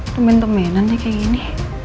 temen temenan nih kayak gini